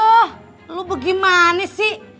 oooh lu bagaimana sih